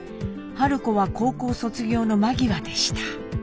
子は高校卒業の間際でした。